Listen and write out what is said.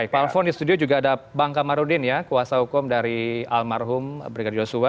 baik pak alfon di studio juga ada bang kamarudin ya kuasa hukum dari almarhum brigadir yosua